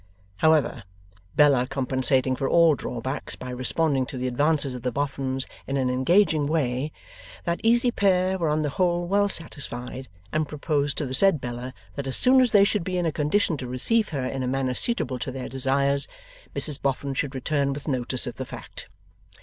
However, Bella compensating for all drawbacks by responding to the advances of the Boffins in an engaging way, that easy pair were on the whole well satisfied, and proposed to the said Bella that as soon as they should be in a condition to receive her in a manner suitable to their desires, Mrs Boffin should return with notice of the fact.